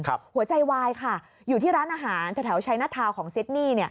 หัวใจวายค่ะอยู่ที่ร้านอาหารแถวชัยหน้าทาวของซิดนี่